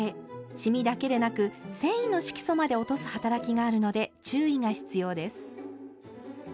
シミだけでなく繊維の色素まで落とす働きがあるので注意が必要です。